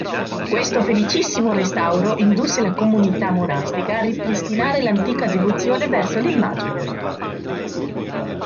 Questo felicissimo restauro indusse la comunità monastica a ripristinare l'antica devozione verso l'immagine.